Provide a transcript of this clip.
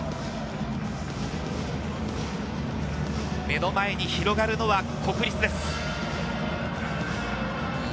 目の前に広がるのは国立です。